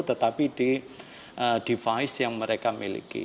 dengan menggunakan alat yang mereka miliki